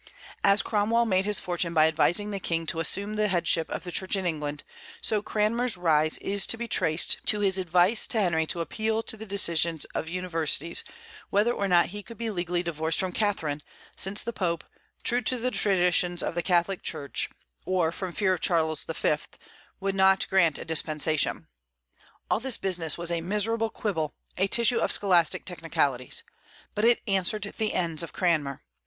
As Cromwell made his fortune by advising the King to assume the headship of the Church in England, so Cranmer's rise is to be traced to his advice to Henry to appeal to the decision of universities whether or not he could be legally divorced from Catharine, since the Pope true to the traditions of the Catholic Church, or from fear of Charles V. would not grant a dispensation. All this business was a miserable quibble, a tissue of scholastic technicalities. But it answered the ends of Cranmer.